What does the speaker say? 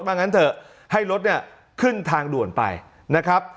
มางั้นเถอะให้รถขึ้นทางด่วนไปนะครับ